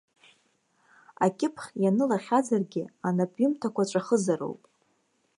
Акьыԥхь ианылахьазаргьы, анапҩымҭақәа ҵәахызароуп.